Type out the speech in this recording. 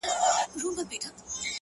ورځيني ليري گرځــم ليــري گــرځــــم ـ